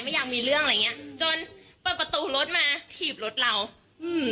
อยากมีเรื่องอะไรอย่างเงี้ยจนเปิดประตูรถมาถีบรถเราอืม